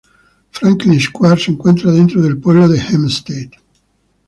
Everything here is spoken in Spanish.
Franklin Square se encuentra dentro del pueblo de Hempstead.